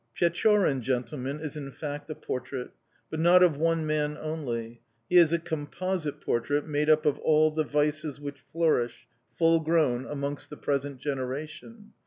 Pechorin, gentlemen, is in fact a portrait, but not of one man only: he is a composite portrait, made up of all the vices which flourish, fullgrown, amongst the present generation.